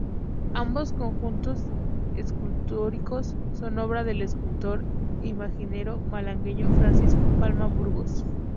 Ambos conjuntos escultóricos son obra del escultor e imaginero malagueño Francisco Palma Burgos.